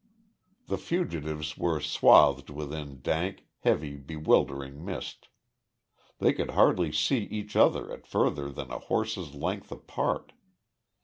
The fugitives were swathed within dank, heavy, bewildering mist. They could hardly see each other at further than a horse's length apart.